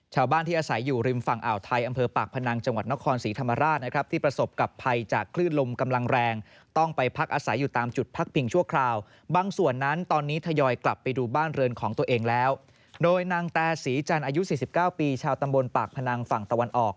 ด้วยนางแต่ศรีจันทร์อายุ๔๙ปีชาวตำบลปากพนังฝั่งตะวันออก